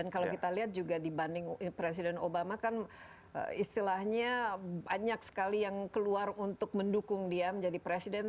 kalau kita lihat juga dibanding presiden obama kan istilahnya banyak sekali yang keluar untuk mendukung dia menjadi presiden